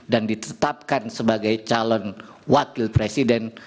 ditetapkan sebagai calon wakil presiden